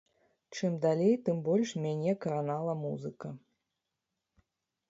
Чым далей, тым больш мяне кранала музыка.